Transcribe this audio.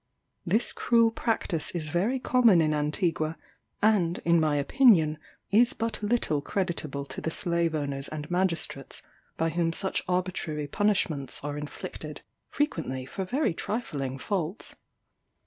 This cruel practice is very common in Antigua; and, in my opinion, is but little creditable to the slave owners and magistrates by whom such arbitrary punishments are inflicted, frequently for very trifling faults.